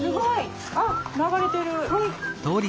あっ流れてる。